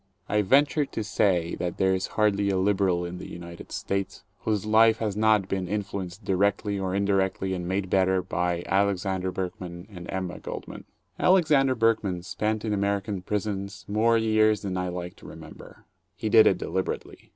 I venture to say that there is hardly a liberal in the United States whose life has not been influenced directly or indirectly and made better, by Alexander Berkman and Emma Goldman. Alexander Berkman spent in American prisons more years than I like to remember. He did it deliberately.